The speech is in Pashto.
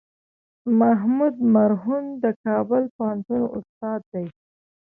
محمود مرهون د کابل پوهنتون استاد دی.